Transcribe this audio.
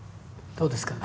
どうですか？